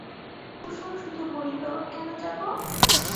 কুসুম শুধু বলিল, কেন যাব?